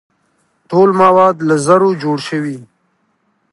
ټول مواد له ذرو جوړ شوي.